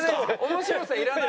面白さいらない。